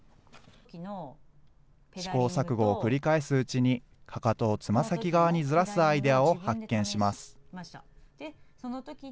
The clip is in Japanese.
試行錯誤を繰り返すうちに、かかとをつま先側にずらすアイデアを発見します。